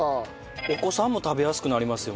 お子さんも食べやすくなりますよね。